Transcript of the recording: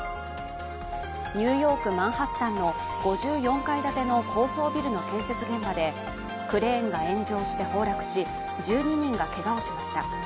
ニューヨーク・マンハッタンの５４階建ての高層ビルの建設現場でクレーンが炎上して崩落し、１２人がけがをしました。